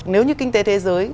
nếu như kinh tế thế giới